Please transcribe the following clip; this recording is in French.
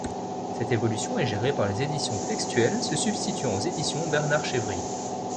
Cette évolution est gérée par les éditions Textuel, se substituant aux éditions Bernard Chevry.